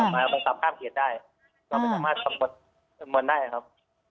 มันสามารถกลับข้ามเขียนได้มันสามารถกลับบนได้ครับ